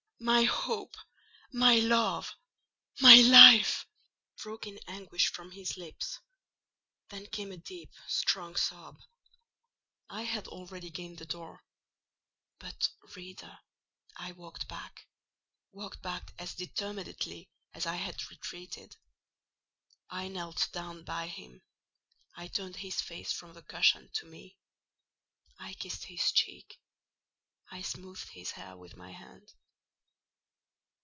my hope—my love—my life!" broke in anguish from his lips. Then came a deep, strong sob. I had already gained the door; but, reader, I walked back—walked back as determinedly as I had retreated. I knelt down by him; I turned his face from the cushion to me; I kissed his cheek; I smoothed his hair with my hand.